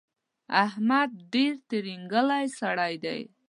احمد ډېر ترینګلی سړی دی.